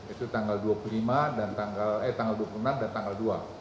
itu tanggal dua puluh enam dan tanggal dua